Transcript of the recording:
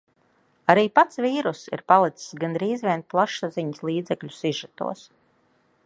Arī pats vīruss ir palicis gandrīz vien plašsaziņas līdzekļu sižetos.